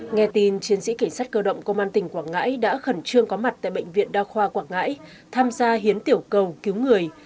nghe tin chiến sĩ cảnh sát cơ động công an tỉnh quảng ngãi đã khẩn trương có mặt tại bệnh viện đa khoa quảng ngãi tham gia hiến tiểu cầu cứu người